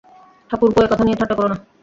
ঠাকুরপো, এ কথা নিয়ে ঠাট্টা কোরো না।